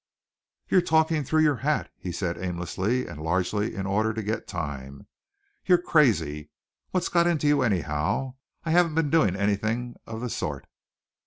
"You're talking through your hat," he said aimlessly and largely in order to get time. "You're crazy! What's got into you, anyhow? I haven't been doing anything of the sort."